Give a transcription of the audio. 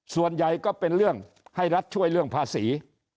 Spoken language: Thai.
ส่วนใหญ่ก็เป็นเรื่องให้รัฐช่วยเรื่องภาษี